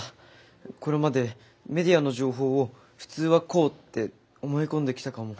これまでメディアの情報を「普通はこう」って思い込んできたかも。